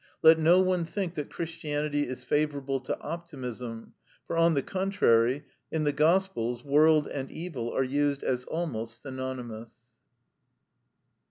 Let no one think that Christianity is favourable to optimism; for, on the contrary, in the Gospels world and evil are used as almost synonymous.